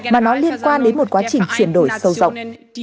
mà nó liên quan đến một quá trình chuyển đổi sâu rộng